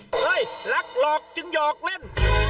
เจลลอกจึงหยอกเล่น